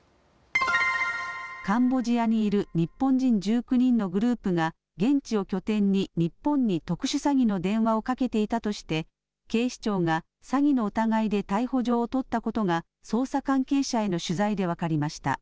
カンボジアにいる日本人１９人のグループが現地を拠点に日本に特殊詐欺の電話をかけていたとして警視庁が詐欺の疑いで逮捕状を取ったことが捜査関係者への取材で分かりました。